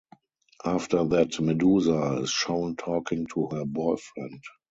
After that, Medusa is shown talking to her boyfriend.